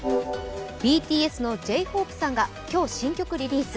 ＢＴＳのＪ−ＨＯＰＥさんが今日、新曲リリース。